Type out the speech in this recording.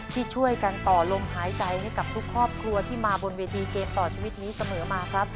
ที่ช่วยกันต่อลมหายใจให้กับทุกครอบครัวที่มาบนเวทีเกมต่อชีวิตนี้เสมอมาครับ